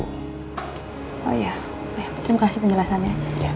oh iya terima kasih penjelasannya